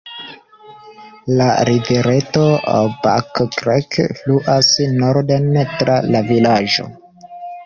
La rivereto Back Creek fluas norden tra la vilaĝo.